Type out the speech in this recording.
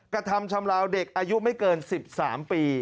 กระทำชำลาวเด็กอายุไม่เกิน๑๓ปี